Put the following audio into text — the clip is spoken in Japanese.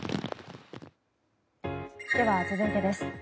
では、続いてです。